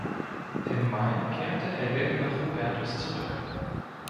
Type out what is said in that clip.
Im Mai kehrt Egge nach Hubertus zurück.